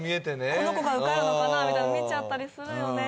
この子が受かるのかなみたいな見ちゃったりするよね